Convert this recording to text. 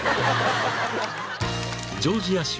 ［ジョージア州